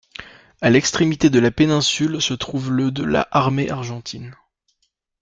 À l'extrémité de la péninsule se trouve le de la Armée argentine.